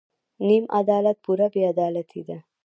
نیم عدالت پوره بې عدالتي ده.